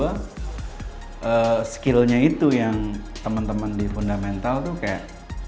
kalau skillnya itu yang teman teman di fundamental tuh kayak